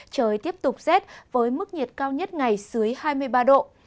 trời tiếp tục rét với mức nhiệt cao nhất ngày dưới hai mươi ba độ